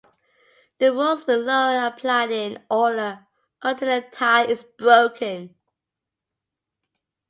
The rules below are applied in order until the tie is broken.